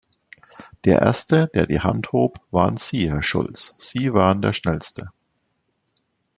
Der Erste, der die Hand hob, waren Sie, Herr Schulz, Sie waren der Schnellste.